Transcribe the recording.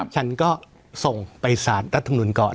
ฉันก็ส่งไปสารรัฐมนุนก่อน